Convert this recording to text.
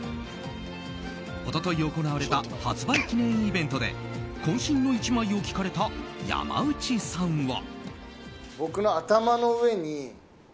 一昨日行われた発売記念イベントで渾身の１枚を聞かれた山内さんは。